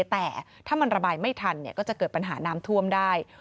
แต่ถ้ามันระบายไม่ทันก็จะเกิดปัญหาน้ำท่วมได้